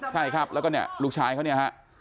ใช่ครับแล้วก็เนี่ยลูกชายเขาเนี่ยฮะ